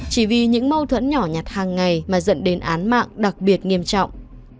chỉ vì những mâu thuẫn nhỏ nhặt hàng ngày mà dẫn đến án mạng đặc biệt nghiêm trọng